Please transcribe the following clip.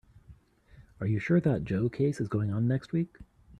Are you sure that Joe case is going on next week?